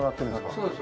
そうです。